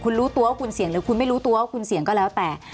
คุณรู้ตัวว่าคุณเสี่ยงหรือคุณไม่รู้ตัวว่าคุณเสี่ยงก็แล้วแต่